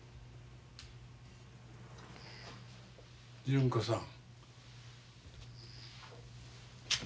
純子さん。